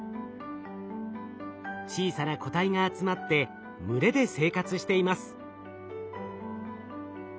小さな個体が集まって群れで生活しています。